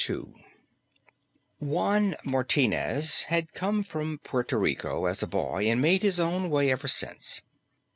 2 Juan Martinez had come from Puerto Rico as a boy and made his own way ever since.